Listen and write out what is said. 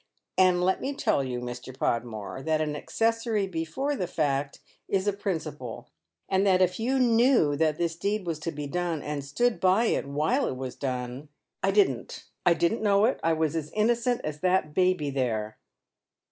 And let me tell you, Mr. Podmore, that an accessory before the fact is a principal ; and tliat Lf you knew that thia deed was to be done, and stood by while it was done "" I didn't 1 didn't know it. I was as innocent as that baby there."